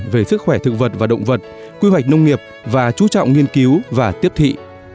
về sức khỏe thực vật và động vật quy hoạch nông nghiệp và chú trọng nghiên cứu và tiếp thị